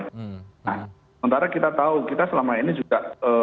nah sementara kita tahu kita selama ini juga